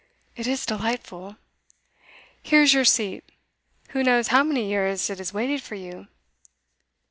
'It is delightful!' 'Here's your seat, who knows how many years it has waited for you?